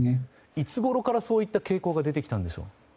いつごろから、そういった傾向が出てきたんでしょう。